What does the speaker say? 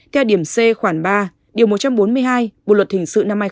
theo điểm c khoảng ba điều một trăm bốn mươi hai bộ luật hình sự năm hai nghìn một mươi năm